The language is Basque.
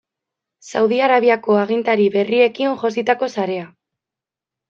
Saudi Arabiako agintari berriekin jositako sarea.